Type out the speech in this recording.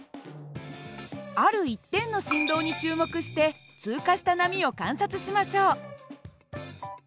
ある１点の振動に注目して通過した波を観察しましょう。